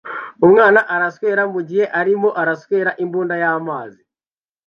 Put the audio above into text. Umwana araswera mugihe arimo aswera imbunda y'amazi